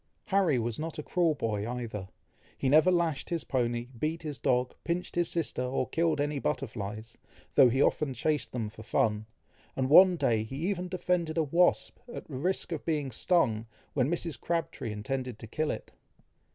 Harry was not a cruel boy either; he never lashed his pony, beat his dog, pinched his sister, or killed any butterflies, though he often chased them for fun, and one day he even defended a wasp, at the risk of being stung, when Mrs. Crabtree intended to kill it.